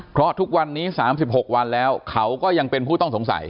เพราะทุกวันนี้๓๖วันแล้วเขาก็ยังเป็นผู้ต้องสงสัย